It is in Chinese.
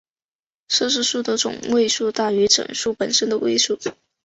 奢侈数的总位数大于整数本身的位数。